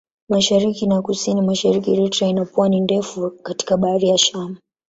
Mashariki na Kusini-Mashariki Eritrea ina pwani ndefu katika Bahari ya Shamu.